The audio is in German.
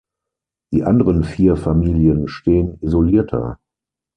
Die anderen vier Familien stehen isolierter.